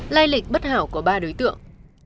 lai lịch bất hảo của ba đối tượng